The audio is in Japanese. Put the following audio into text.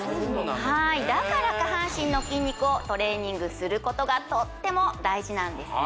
はいだから下半身の筋肉をトレーニングすることがとっても大事なんですね